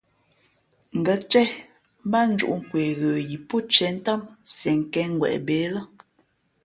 Ngα̌ céh mbát njūʼ nkwe ghə yi pó tiē ntám nsienkěngweʼ bê le.